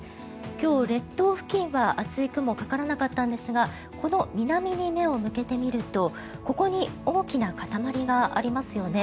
今日、列島付近は厚い雲がかからなかったんですが今日、南に目を向けますとここに大きな塊がありますよね。